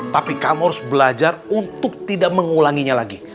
tapi kamu harus belajar untuk tidak mengulanginya lagi